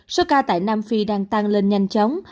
sau đó số ca tại nam phi đang tăng lên nhanh chóng